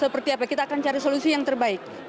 seperti apa kita akan cari solusi yang terbaik